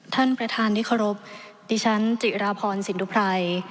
ท่านประธานที่เคารพดิฉันจิราพรสินทุไพร